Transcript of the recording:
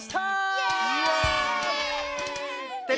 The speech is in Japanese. イエーイ！